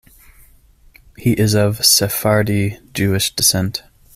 He is of Sephardi Jewish descent.